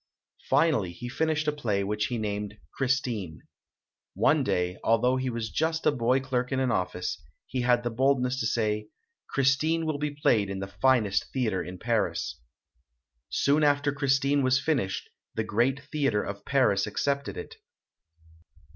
Finally, he finished a play which he named "Christine". One day, although he was just a boy clerk in an office, he had the boldness to say, " 'Christine' will be played in the finest theatre in Paris". Soon after "Christine" was finished, the great theatre of Paris accepted it.